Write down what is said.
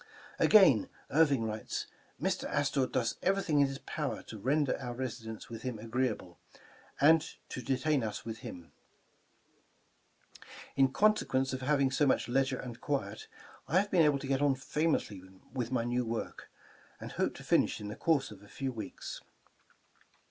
Again, Irving writes: "Mr. Astor does everything in his power to render our residence with him ^ agreeable, and to detain us with him In consequence of having so much leisure and quiet, I have been able to get on famously with my new work, and hope to finish in the course of a few weeks."